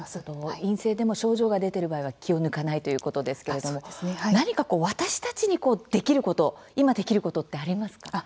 陰性でも症状が出てる場合は気を抜かないということですけれども何かこう私たちにできること今できることってありますか？